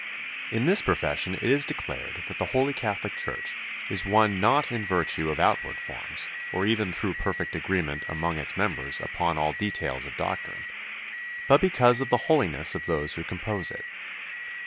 In this profession it is declared that the Holy Catholic Church is one not in virtue of outward forms, or even through perfect agreement among its members upon all details of doctrine, but because of the holiness of those who compose it.